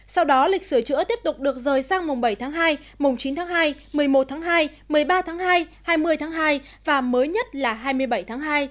sau đó lịch sửa chữa tiếp tục được rời sang mùng bảy tháng hai mùng chín tháng hai một mươi một tháng hai một mươi ba tháng hai hai mươi tháng hai và mới nhất là hai mươi bảy tháng hai